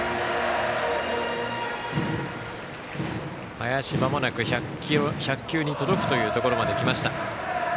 林、まもなく１００球に届くところまできました。